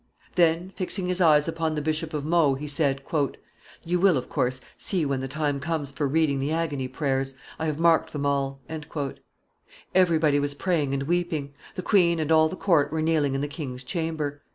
Then, fixing his eyes upon the Bishop of Meaux, he said, "You will, of course, see when the time comes for reading the agony prayers; I have marked them all." Everybody was praying and weeping; the queen and all the court were kneeling in the king's chamber.